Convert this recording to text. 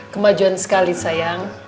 kemajuan sekali sayang